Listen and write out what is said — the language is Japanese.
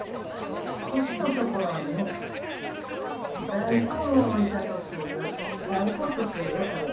腰の所にね、大根を置いたとするよ、大根とするよ、これが。